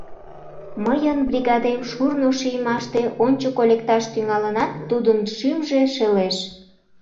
Мыйын бригадем шурно шиймаште ончыко лекташ тӱҥалынат, тудын шӱмжӧ шелеш!